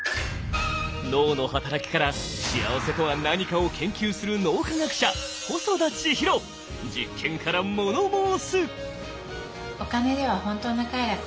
脳の働きから幸せとは何かを研究する実験からもの申す！